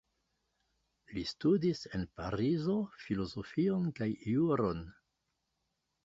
Li studis en Parizo filozofion kaj juron.